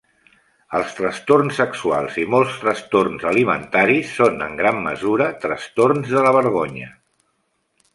Els trastorns sexuals i molts trastorns alimentaris són en gran mesura trastorns de la vergonya.